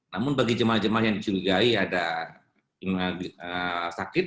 namun bagi jemaah jemaah yang dicurigai ada sakit